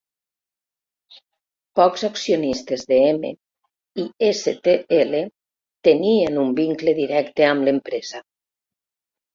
Pocs accionistes de M i StL tenien un vincle directe amb l'empresa.